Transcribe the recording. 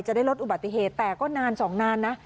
จะได้ลดอุบัติเหตุแต่ก็นานสองนานนะ